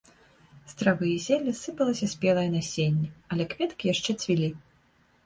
З травы і зелля сыпалася спелае насенне, але кветкі яшчэ цвілі.